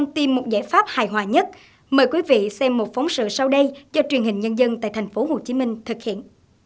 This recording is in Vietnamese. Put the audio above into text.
tìm một giải pháp hài hòa nhất mời quý vị xem một phóng sự sau đây cho truyền hình nhân dân tại thành phố hồ chí minh thực hiện